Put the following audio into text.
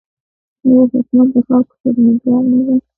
آیا حکومت د خلکو خدمتګار نه دی؟